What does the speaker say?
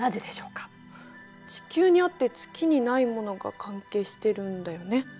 地球にあって月にないものが関係してるんだよね。